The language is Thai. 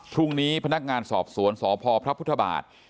พรุ่งนี้พนักงานสอบสวนสพพระพุทธบาท